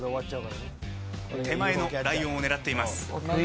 手前のライオンを狙っています。